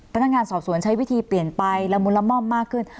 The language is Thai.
พนักงานสอบสวนใช้วิธีเปลี่ยนไปละมุนละม่อมมากขึ้น